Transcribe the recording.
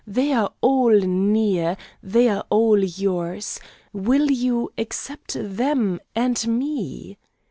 They are all near. They are all yours. Will you accept them and me?"